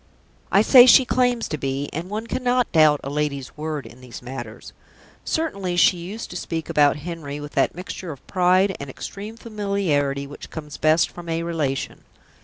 I say she claims to be, and one cannot doubt a lady's word in these matters; certainly she used to speak about Henry with that mixture of pride and extreme familiarity which comes best from a relation.